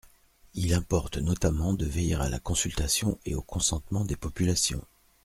Il importe notamment de veiller à la consultation et au consentement des populations.